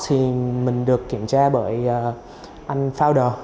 thì mình được kiểm tra bởi anh founder